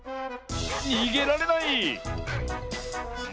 にげられない！